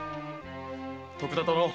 徳田殿。